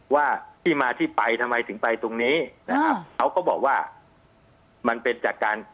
ว่าที่มาที่ไปทำไมถึงไปตรงนี้นะครับเขาก็บอกว่ามันเป็นจากการ